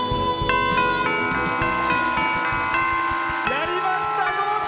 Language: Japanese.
やりました、合格！